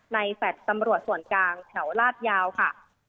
แฟลต์ตำรวจส่วนกลางแถวลาดยาวค่ะ